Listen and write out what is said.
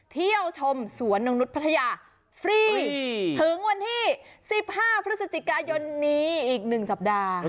เที่ยวชมสวนนกนุษย์พัทยาฟรีถึงวันที่๑๕พฤศจิกายนนี้อีก๑สัปดาห์